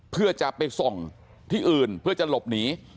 เพื่อจะไปส่งที่อื่นเพื่อจะหลบหนี